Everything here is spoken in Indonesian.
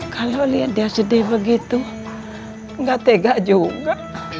kalau lihat dia sedih begitu nggak tega juga